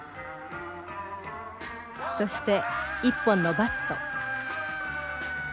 そして一本のバット。